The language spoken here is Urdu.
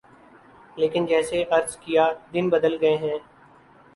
لیکن جیسے عرض کیا دن بدل گئے ہیں۔